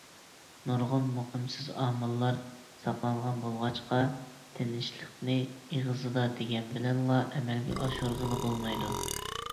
نۇرغۇن مۇقىمسىز ئامىللار ساقلانغان بولغاچقا، تىنچلىقنى ئېغىزدا دېگەن بىلەنلا ئەمەلگە ئاشۇرغىلى بولمايدۇ.